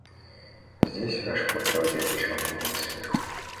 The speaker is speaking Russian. «Здесь, ваше благородие», – отвечал мне голос сверху.